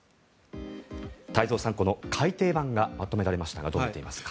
太蔵さん、この改定版がまとめられましたがどう見ていますか？